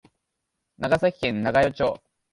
長崎県長与町